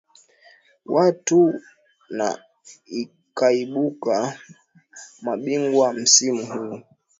watu na ikaibuka mabingwa msimu huu